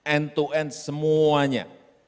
end to end semuanya